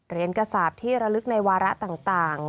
เรียนกษาแพพที่ระลึกในวาระต่าง